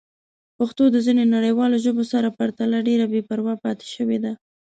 پښتو د ځینو نړیوالو ژبو سره پرتله ډېره بې پروا پاتې شوې ده.